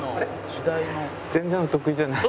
全然お得意じゃない。